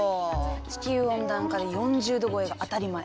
地球温暖化で４０℃超えが当たり前。